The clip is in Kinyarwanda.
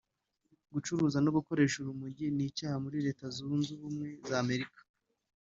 Gucuruza no gukoresha urumogi ni icyaha muri Leta Zunze Ubumwe za Amerika